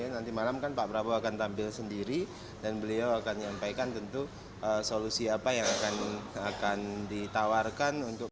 nanti malam kan pak prabowo akan tampil sendiri dan beliau akan nyampaikan tentu solusi apa yang akan ditawarkan untuk